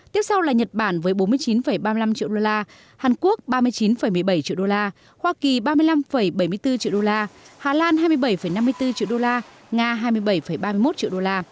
tiếp sau là nhật bản với bốn mươi chín ba mươi năm triệu usd hàn quốc ba mươi chín một mươi bảy triệu usd hoa kỳ ba mươi năm bảy mươi bốn triệu usd hà lan hai mươi bảy năm mươi bốn triệu usd nga hai mươi bảy ba mươi một triệu usd